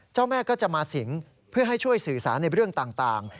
เจ้าแม่ก็จะมาสิงเพื่อให้ช่วยสื่อสารในเรื่องต่าง